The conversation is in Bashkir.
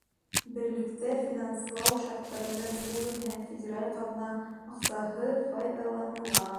Берлектә финанслау шарттарында республика һәм федераль ҡаҙна аҡсаһы файҙаланыла.